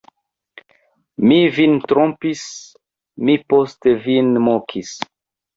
Mi vin trompis, mi poste vin mokis!